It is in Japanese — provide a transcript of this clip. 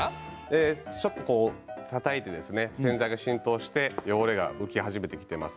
たたいて洗剤が浸透して汚れが浮き始めています。